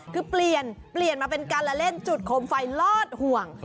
คือเปลี่ยนเปลี่ยนมาเป็นการละเล่นจุดโคมไฟลอดห่วง